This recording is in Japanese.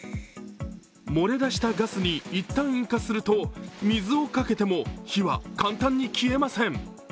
漏れ出したガスに、一旦引火すると水をかけても、火は簡単に消えません。